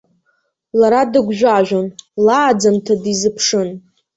Лара дыгәжәажәон, лааӡамҭа дизыԥшын.